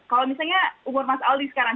kalau misalnya umur mas aldi sekarang